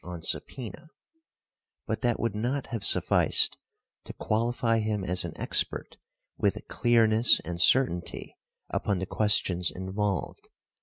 on subpœna, but that would not have sufficed to qualify him as an expert with clearness and certainty upon the questions involved.